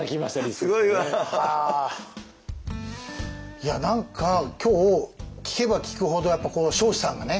いや何か今日聞けば聞くほどやっぱこの彰子さんがね